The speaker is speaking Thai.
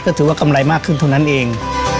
ก็ถือกำไรมากขึ้นถนนนั้นเอง